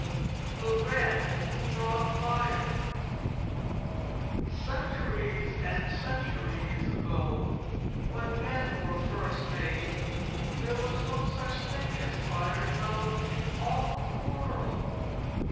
THE WREN WHO BROUGHT FIRE Centuries and centuries ago, when men were first made, there was no such thing as fire known in all the world.